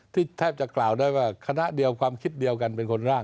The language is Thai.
แทบจะกล่าวได้ว่าคณะเดียวความคิดเดียวกันเป็นคนร่าง